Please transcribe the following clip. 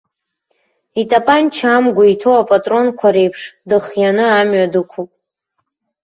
Итапанча амгәа иҭоу апатронақәа реиԥш дыхианы амҩа дықәуп.